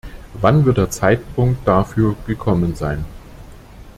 Wann wird der Zeitpunkt dafür gekommen sein?